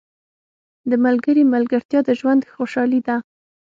• د ملګري ملګرتیا د ژوند خوشحالي ده.